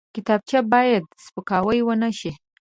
کتابچه باید سپکاوی ونه شي